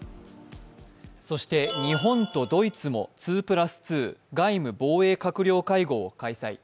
そして日本とドイツも２＋２＝外務・防衛閣僚会合を開催。